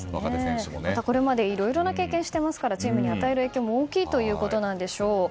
これまで、いろいろな経験をしていますからチームに与える影響も大きいということなんでしょう。